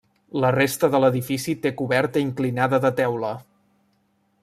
La resta de l'edifici té coberta inclinada de teula.